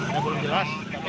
saya belum jelas